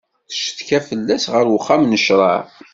Tcetka fell-as ar wexxam n ccṛeɛ.